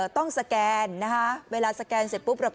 สแกนนะคะเวลาสแกนเสร็จปุ๊บ